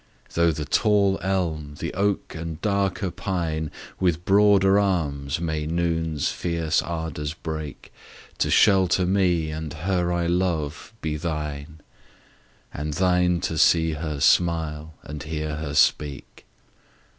Though the tall elm, the oak, and darker pine, With broader arms, may noon's fierce ardours break, To shelter me, and her I love, be thine; And thine to see her smile and hear her speak.